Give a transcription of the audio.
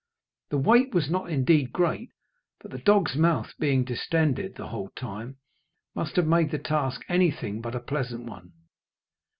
The weight was not indeed great; but the dog's mouth being distended the whole time must have made the task anything but a pleasant one.